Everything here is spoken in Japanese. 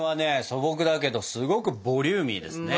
素朴だけどすごくボリューミーですね。